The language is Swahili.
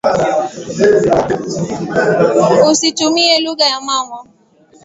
Usitumie lugha ya mama.